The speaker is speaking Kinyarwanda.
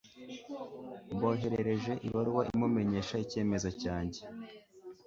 Mboherereje ibaruwa imumenyesha icyemezo cyanjye.